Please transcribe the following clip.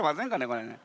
これね。